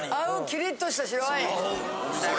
キリッとした白ワイン。